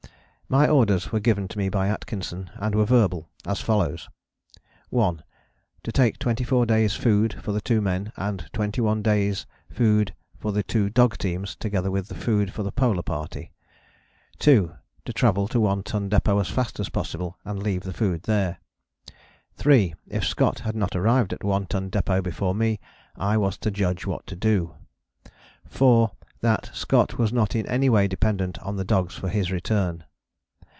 My orders were given me by Atkinson, and were verbal, as follows: 1. To take 24 days' food for the two men, and 21 days' food for the two dog teams, together with the food for the Polar Party. 2. To travel to One Ton Depôt as fast as possible and leave the food there. 3. If Scott had not arrived at One Ton Depôt before me I was to judge what to do. 4. That Scott was not in any way dependent on the dogs for his return.